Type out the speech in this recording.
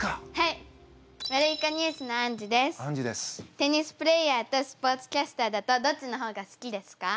テニスプレーヤーとスポーツキャスターだとどっちの方が好きですか？